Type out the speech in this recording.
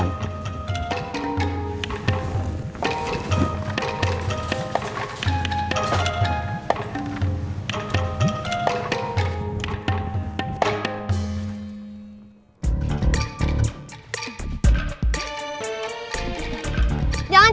jangan lupa untuk berlangganan